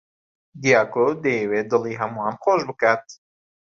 دیاکۆ دەیەوێت دڵی هەمووان خۆش بکات.